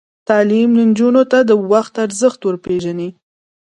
تعلیم نجونو ته د وخت ارزښت ور پېژني.